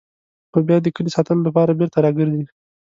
خو بیا د کلي ساتلو لپاره بېرته راګرځي.